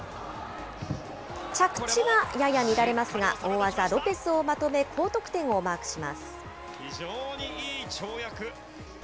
着地はやや乱れますが、大技、ロペスをまとめ、高得点をマークします。